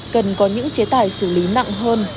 cần có những chế tài xử lý nặng hơn